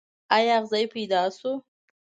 ایا اغزی پیدا شو.